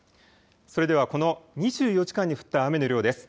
それでは、この２４時間に降った雨の量です。